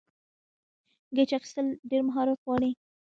کېچ اخیستل ډېر مهارت غواړي.